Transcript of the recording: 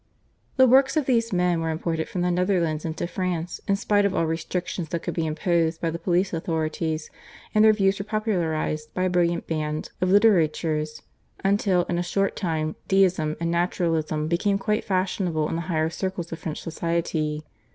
The works of these men were imported from the Netherlands into France in spite of all restrictions that could be imposed by the police authorities, and their views were popularised by a brilliant band of /litterateurs/, until in a short time Deism and Naturalism became quite fashionable in the higher circles of French society.